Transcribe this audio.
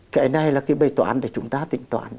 cái bày toán để chúng ta tính toán